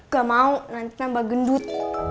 gak mau nanti tambah gendut